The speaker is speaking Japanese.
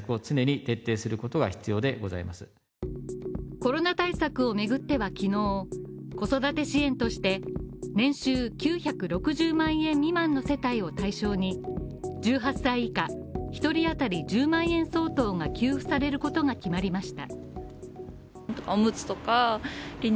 コロナ対策をめぐっては昨日、子育て支援として、年収９６０万円未満の世帯を対象に１８歳以下１人当たり１０万円相当が給付されることが決まりました。